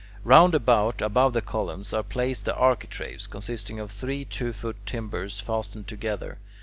Round about, above the columns, are placed the architraves, consisting of three two foot timbers fastened together.